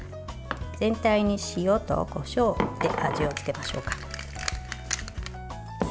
全体に塩とこしょうを振って味をつけましょうか。